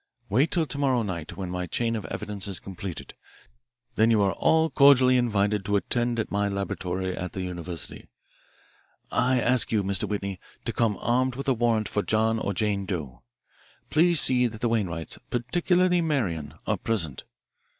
Wait till to morrow night, when my chain of evidence is completed. Then you are all cordially invited to attend at my laboratory at the university. I'll ask you, Mr. Whitney, to come armed with a warrant for John or Jane Doe. Please see that the Wainwrights, particularly Marian, are present.